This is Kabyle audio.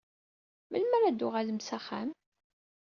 Melmi ara d-tuɣalem s axxam?